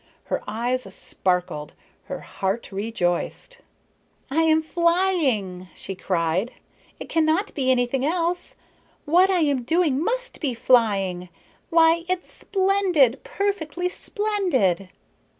Her eyes sparkled, her heart rejoiced. "I am flying," she cried. "It cannot be anything else. What I am doing must be flying. Why, it's splendid, perfectly splendid!"